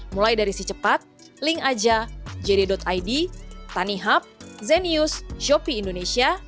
mulai dari si cepat link aja jd id tanihub zenius shopee indonesia